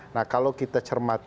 nah kalau kita cermati